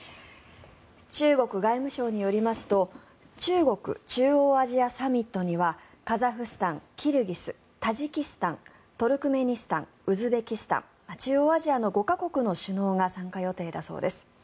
中国外務省によりますと中国・中央アジアサミットにはカザフスタン、キルギスタジキスタン、トルクメニスタンウズベキスタン中央アジアの５か国の首脳が参加予定だそうです。